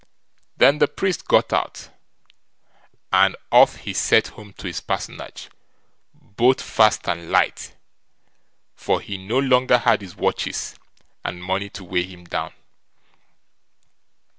Then the priest got out, and off he set home to his parsonage both fast and light, for he no longer had his watches and money to weigh him down.